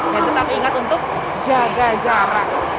dan tetap ingat untuk jaga jarak